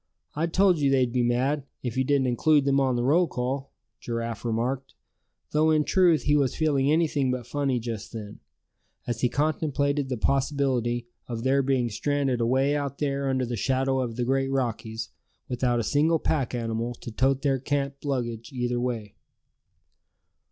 I told you they'd be mad, if you didn't include them on the roll call," Giraffe remarked; though in truth, he was feeling anything but funny just then, as he contemplated the possibility of their being stranded away out there under the shadow of the great Rockies, without a single pack animal to "tote" their camp luggage either way.